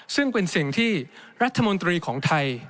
ซึ่งเป็นสิ่งที่รัฐมนตรีของไทย